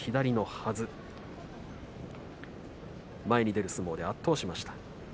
前に出る相撲で圧倒しました。